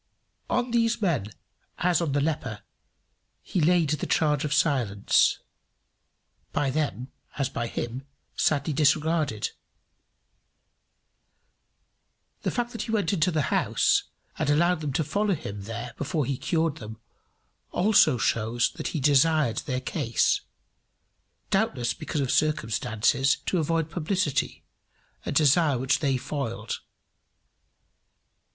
On these men, as on the leper, he laid the charge of silence, by them, as by him, sadly disregarded. The fact that he went into the house, and allowed them to follow him there before he cured them, also shows that he desired in their case, doubtless because of circumstances, to avoid publicity, a desire which they foiled.